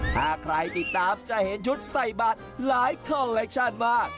ถ้าใครติดตามจะเห็นชุดใส่บาทหลายคอลเลคชั่นมาก